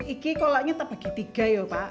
ini kolaknya tak bagi tiga pak